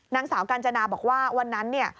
นางสาวกาญจนาบอกว่าวันนั้นเนี่ย